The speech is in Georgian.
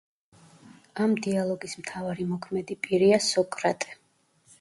ამ დიალოგების მთავარი მოქმედი პირია სოკრატე.